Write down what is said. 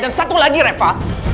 dan satu lagi reva